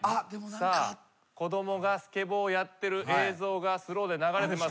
さあ子供がスケボーやってる映像がスローで流れてます。